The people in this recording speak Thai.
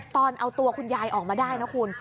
ตอนเอาตัวคุณยายออกมาได้นะคุณ